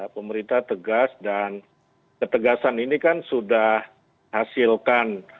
pemerintah tegas dan ketegasan ini kan sudah hasilkan